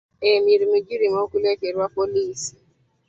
Emirimu girima kulekerwa poliisi.